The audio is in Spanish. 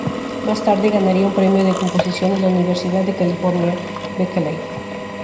Más tarde ganaría un premio de composición en la Universidad de California, Berkeley.